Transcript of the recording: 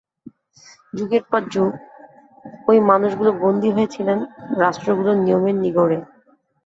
যুগের পর যুগ ওই মানুষগুলো বন্দী হয়ে ছিলেন রাষ্ট্রগুলোর নিয়মের নিগড়ে।